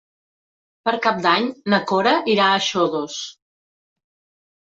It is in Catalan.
Per Cap d'Any na Cora irà a Xodos.